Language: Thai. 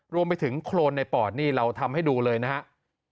รวมไปถึงโครนในปอดนี่เราทำให้ดูเลยนะครับ